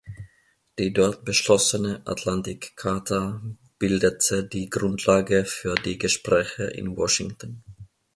Die dort beschlossene Atlantik-Charta bildete die Grundlage für die Gespräche in Washington.